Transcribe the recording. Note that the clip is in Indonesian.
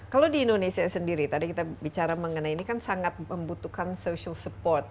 kalau di indonesia sendiri tadi kita bicara mengenai ini kan sangat membutuhkan social support